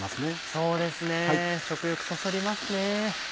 そうですね食欲そそりますね。